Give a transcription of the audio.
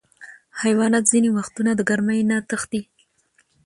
حیوانات ځینې وختونه د ګرمۍ نه تښتي.